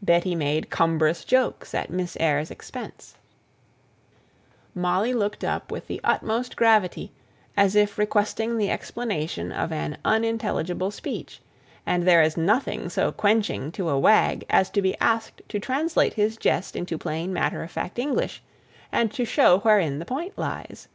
Betty made cumbrous jokes at Miss Eyre's expense; Molly looked up with the utmost gravity, as if requesting the explanation of an unintelligible speech; and there is nothing so quenching to a wag as to be asked to translate his jest into plain matter of fact English, and to show wherein the point lies.